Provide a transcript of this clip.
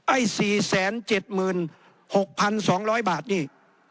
ไอ้๔๗๖๒๐๐บาทนี่